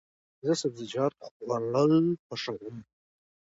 زه سبزیجات خوړل خوښوم.